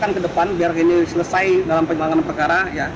akan ke depan biar ini selesai dalam penyelenggaraan perkara